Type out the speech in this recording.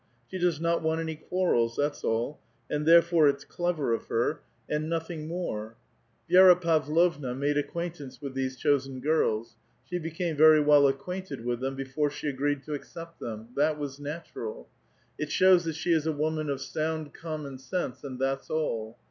She does not want any quar rels, that's all ; and therefore it's clever of her, and nothing A VITAL QUESTION. 173 ore. Vi6ra Pavlovna made acquaintance with these chosen rls ; she became very well acquainted with them before le agreed to accept them ; that was natural. It shows that le is a woman of sound common sense, and that*s all.